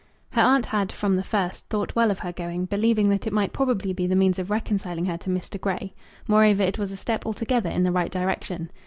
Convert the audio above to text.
Her aunt had, from the first, thought well of her going, believing that it might probably be the means of reconciling her to Mr. Grey. Moreover, it was a step altogether in the right direction.